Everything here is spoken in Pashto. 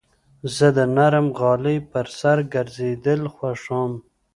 زه د نرم غالۍ پر سر ګرځېدل خوښوم.